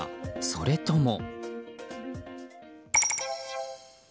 それとも。